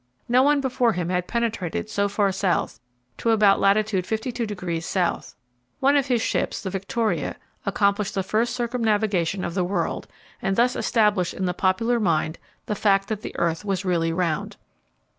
No one before him had penetrated so far South to about lat. 52° S. One of his ships, the Victoria, accomplished the first circumnavigation of the world, and thus established in the popular mind the fact that the earth was really round.